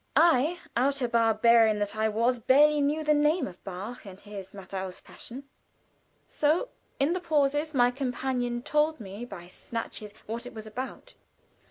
I, outer barbarian that I was, barely knew the name of Bach and his "Matthaus Passion," so in the pauses my companion told me by snatches what it was about.